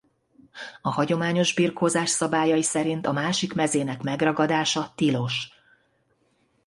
A hagyományos birkózás szabályai szerint a másik mezének megragadása tilos.